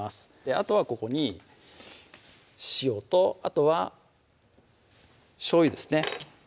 あとはここに塩とあとはしょうゆですね